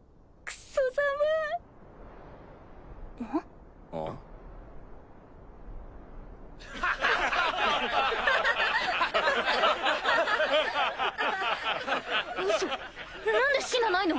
ウソ何で死なないの？